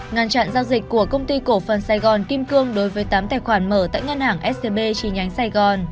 ngăn chặn giao dịch của công ty cổ phần sài gòn kim cương đối với tám tài khoản mở tại ngân hàng scb chi nhánh sài gòn